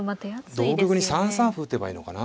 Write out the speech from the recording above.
同玉に３三歩打てばいいのかな。